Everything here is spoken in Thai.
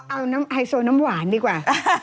เอาน้ำไฮโซน้ำหวานดีกว่า